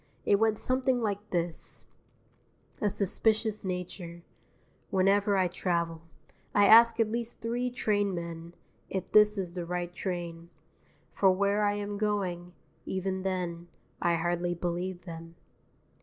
It went something like this: A SUSPICIOUS NATURE _Whenever I travel I ask at least three train men If this is the right train For where I am going, Even then I hardly believe them.